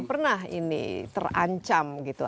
pernah ini terancam gitu